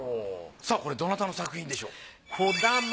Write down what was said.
さぁこれどなたの作品でしょう？